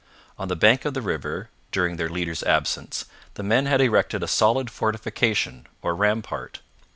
On the bank of the river, during their leader's absence, the men had erected a solid fortification or rampart.